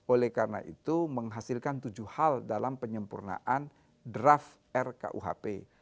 oleh karena itu menghasilkan tujuh hal dalam penyempurnaan draft rkuhp